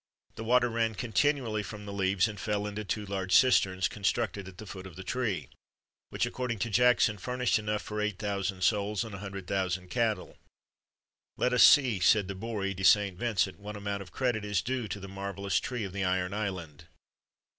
The water ran continually from the leaves, and fell into two large cisterns, constructed at the foot of the tree, which, according to Jackson, furnished enough for 8,000 souls, and 100,000 cattle. "Let us see," says Bory de Saint Vincent, "what amount of credit is due to the marvellous tree of the Iron Island."